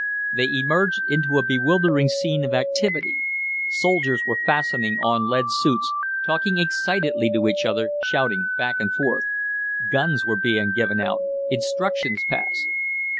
They emerged into a bewildering scene of activity. Soldiers were fastening on lead suits, talking excitedly to each other, shouting back and forth. Guns were being given out, instructions passed.